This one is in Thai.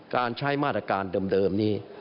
การใช้มาตรการเดิมนี้